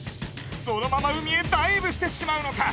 そのまま海へダイブしてしまうのか？